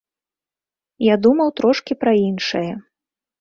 Я думаў трошкі пра іншае.